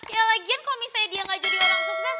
ya lagian kalau misalnya dia gak jadi orang sukses